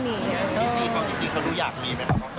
มีสีเขาจริงเขารู้อยากมีไหมครับ